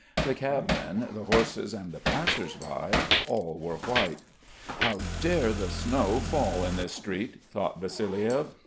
The cabmen, the horses, and the passers by, all were white. "How dare the snow fall in this street?" thought Vassiliev.